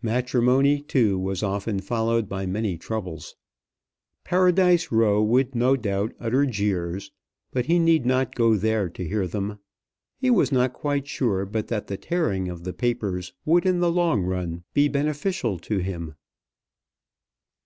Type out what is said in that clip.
Matrimony, too, was often followed by many troubles. Paradise Row would no doubt utter jeers, but he need not go there to hear them. He was not quite sure but that the tearing of the papers would in the long run be beneficial to him.